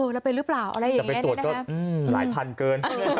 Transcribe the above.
จะไปตรวจก็หลายพันเกิน